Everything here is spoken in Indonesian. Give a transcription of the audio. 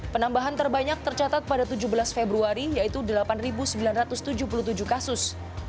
penambahan terbanyak tercatat pada tujuh belas februari yaitu delapan sembilan ratus tujuh puluh tujuh kasus